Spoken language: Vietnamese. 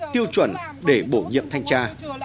tiêu chuẩn để bổ nhiệm thanh tra